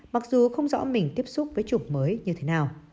mặc dù không rõ mình tiếp xúc với chủng mới như thế nào